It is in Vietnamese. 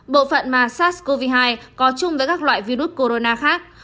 bộ phận mà sars cov hai có chung với các loại virus corona khác